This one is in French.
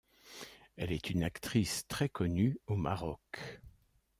Elle est une actrice très connue au Maroc.